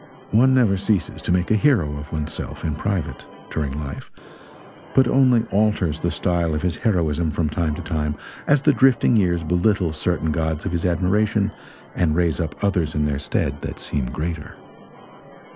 One never ceases to make a hero of one's self, (in private,) during life, but only alters the style of his heroism from time to time as the drifting years belittle certain gods of his admiration and raise up others in their stead that seem greater.